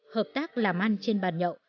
hợp tác làm ăn trên bàn nhậu